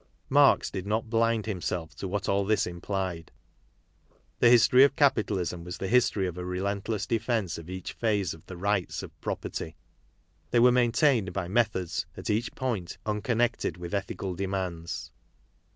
Marx did not blind himself to what all thiS' implied. The history of capitalism was the history of a relentless defence of each phase of the rights of pro perty. They were maintained by methods at each point unconnected with ethical demands.